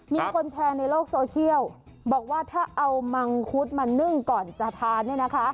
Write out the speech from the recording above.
มีคนแชร์ในโลกโซสเชียลบอกว่าถ้าเอามังคุดมันนึ้งก่อนจะทาน